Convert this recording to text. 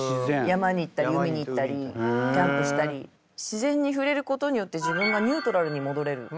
山に行ったり海に行ったりキャンプしたり自然にふれることによって自分がニュートラルにもどれる。